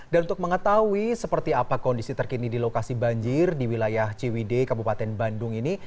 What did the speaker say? dan untuk mengetahui seperti apa kondisi terkini di lokasi banjir di wilayah ciwide kabupaten bandung ini